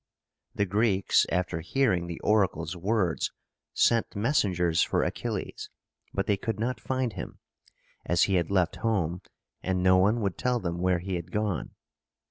The Greeks, after hearing the oracle's words, sent messengers for Achilles; but they could not find him, as he had left home, and no one would tell them where he had gone.